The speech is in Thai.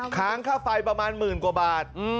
ค้างค่าไฟประมาณหมื่นกว่าบาท